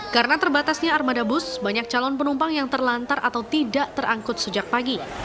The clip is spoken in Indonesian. karena terbatasnya armada bus banyak calon penumpang yang terlantar atau tidak terangkut sejak pagi